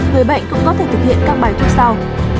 người bệnh cũng có thể thực hiện các bài thuốc sau